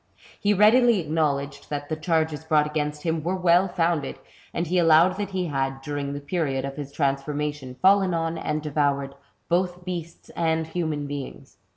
He readily acknowledged that the charges brought against him were well founded, and he allowed that he had, during the period of his transform ation, fallen on, and devoured, both beasts and human beings.